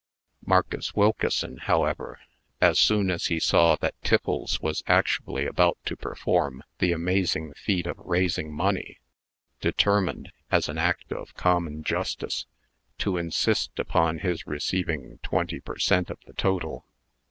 Marcus Wilkeson, however, as soon as he saw that Tiffles was actually about to perform the amazing feat of raising money, determined, as an act of common justice, to insist upon his receiving twenty per cent. of the total.